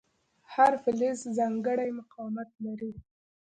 هر فلز ځانګړی مقاومت لري.